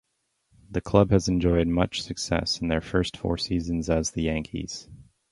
The club has enjoyed much success in their first four seasons as the Yankees.